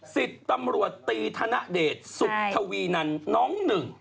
สิบตำรวจตีธนเดชสุขทวีนันน้องหนึ่ง